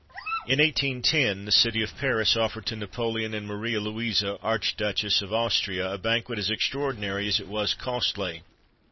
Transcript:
In 1810 the city of Paris offered to Napoleon and Maria Louisa (Archduchess of Austria) a banquet as extraordinary as it was costly.